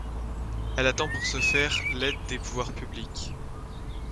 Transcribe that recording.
Elle attend pour ce faire l'aide des pouvoirs publics.